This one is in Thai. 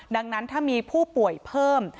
ดังนั้นถ้ามีผู้ป่วยเพิ่ม